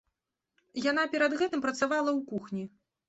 Яна перад гэтым працавала ў кухні.